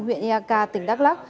huyện ea ca tỉnh đắk lắc